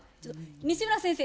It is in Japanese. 西村先生